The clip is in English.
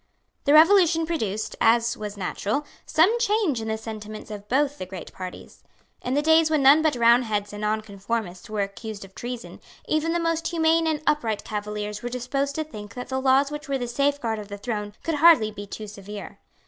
The Revolution produced, as was natural, some change in the sentiments of both the great parties. In the days when none but Roundheads and Nonconformists were accused of treason, even the most humane and upright Cavaliers were disposed to think that the laws which were the safeguard of the throne could hardly be too severe.